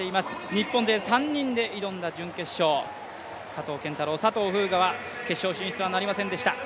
日本勢３人で挑んだ準決勝、佐藤拳太郎、佐藤風雅は決勝進出はなりませんでした。